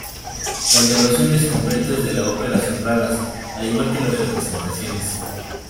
Las grabaciones completas de la ópera son raras, al igual que las representaciones.